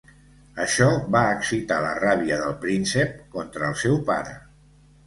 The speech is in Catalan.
Això va excitar la ràbia del príncep contra el seu pare.